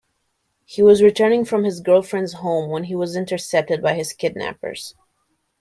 He was returning from his girlfriend's home when he was intercepted by his kidnappers.